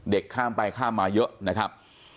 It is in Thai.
ข้ามไปข้ามมาเยอะนะครับ